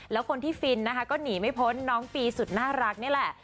แล้วคนที่ฟินนะคะก็หนีไม่พ้นน้องปีสุดน่ารักนี่แหละ